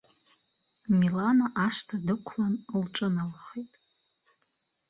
Милана ашҭа дықәлан лҿыналхеит.